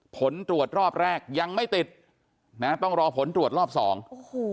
ผลตรวจรอบแรกยังไม่ติดนะต้องรอผลตรวจรอบสองโอ้โห